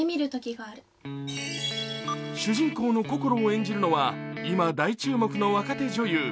主人公のこころを演じるのは今大注目の若手女優